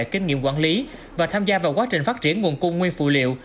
kinh nghiệm quản lý và tham gia vào quá trình phát triển nguồn cung nguyên phụ liệu